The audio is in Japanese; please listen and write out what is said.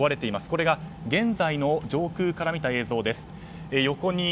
こちらが現在の上空から見た映像です。